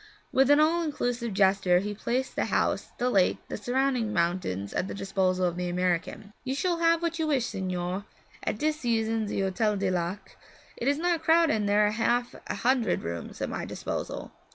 With an all inclusive gesture he placed the house, the lake, the surrounding mountains, at the disposal of the American. 'You shall have what you wish, signore. At dis season ze Hotel du Lac ' 'Is not crowded, and there are half a hundred rooms at my disposal?